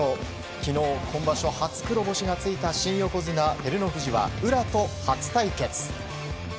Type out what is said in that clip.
昨日、今場所初黒星がついた新横綱・照ノ富士は宇良と初対決。